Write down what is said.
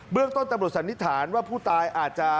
เรื่องต้นตำรวจสันนิษฐานว่าผู้ตายอาจจะ